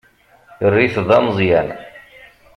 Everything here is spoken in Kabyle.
Err-it d ameẓẓyan.